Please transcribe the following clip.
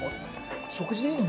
食事でいいの？